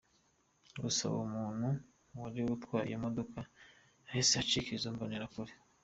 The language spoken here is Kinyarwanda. Gusa uwo muntu wari utwaye iyo moto yahise acika izo mbonerakure.